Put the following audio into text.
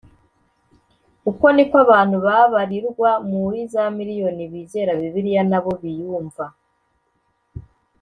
Uko ni ko abantu babarirwa muri za miriyoni bizera Bibiliya na bo biyumva